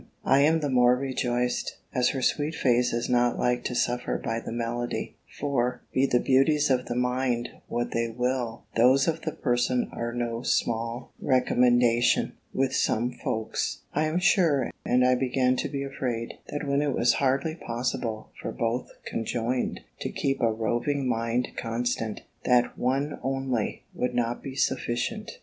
I am the more rejoiced, as her sweet face is not like to suffer by the malady; for, be the beauties of the mind what they will, those of the person are no small recommendation, with some folks, I am sure; and I began to be afraid, that when it was hardly possible for both conjoined to keep a roving mind constant, that one only would not be sufficient.